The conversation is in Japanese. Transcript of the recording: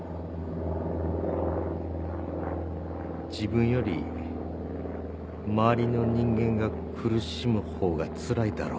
自分より周りの人間が苦しむ方がつらいだろ。